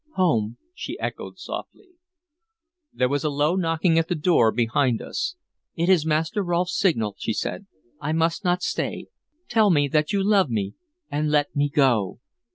"Home," she echoed softly. There was a low knocking at the door behind us. "It is Master Rolfe's signal," she said. "I must not stay. Tell me that you love me, and let me go."